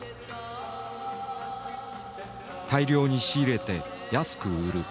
大量に仕入れて安く売る。